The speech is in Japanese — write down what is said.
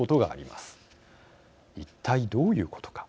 一体どういうことか。